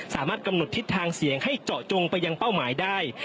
สามารถกำหนดทิศทางเสียงให้เจาะจงไปยังเป้าหมายได้